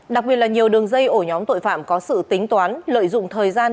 đặc biệt là nhiều đường dây ổ nhóm tội phạm có sự tính toán lợi dụng thời gian